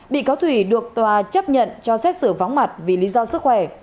bị cáo thủy được tòa chấp nhận cho xét xử vắng mặt vì lý do sức khỏe